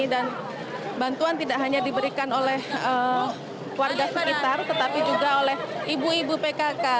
dan bantuan tidak hanya diberikan oleh warga sekitar tetapi juga oleh ibu ibu pkk